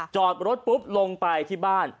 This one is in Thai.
จอดรถปุ๊บลงไปที่บ้าน